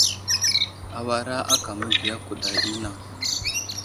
Awara aka məgiya kuɗa i anaŋ.